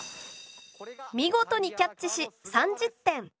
見事にキャッチし３０点！